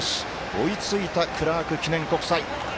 追いついたクラーク記念国際。